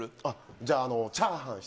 じゃあチャーハン１つ。